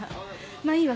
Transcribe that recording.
まあいいわ。